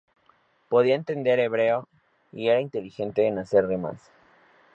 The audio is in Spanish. Podía entender hebreo y era inteligente en hacer rimas.